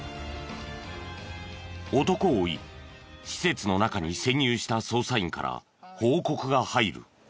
男を追い施設の中に潜入した捜査員から報告が入る。